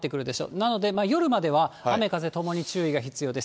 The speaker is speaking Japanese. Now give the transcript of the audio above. なので、夜までは雨、風ともに注意が必要です。